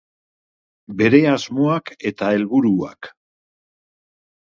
Bere asmoak eta helburuak.